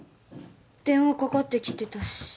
電話かかってきてたし。